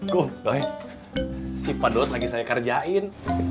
kum si padot lagi saya kerjain